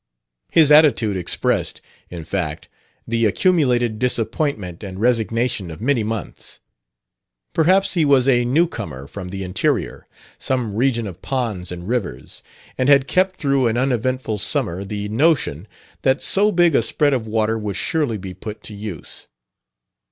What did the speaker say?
His attitude expressed, in fact, the accumulated disappointment and resignation of many months. Perhaps he was a new comer from the interior some region of ponds and rivers and had kept through an uneventful summer the notion that so big a spread of water would surely be put to use.